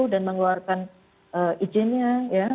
dan mengeluarkan izinnya